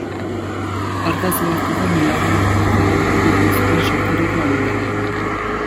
Hartaz ohartuta, Milango Arte Akademiara bidali zuten sorterriko agintariek.